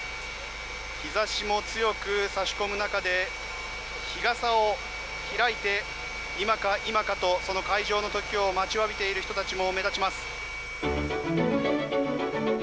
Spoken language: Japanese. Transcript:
日差しも強く差し込む中で日傘を開いて今か、今かとその開場の時を待ちわびている人たちも目立ちます。